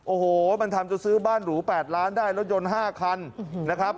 โอ้โหมันทำจะซื้อบ้านหรู๘ล้านได้รถยนต์๕คันนะครับ